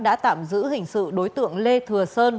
đã tạm giữ hình sự đối tượng lê thừa sơn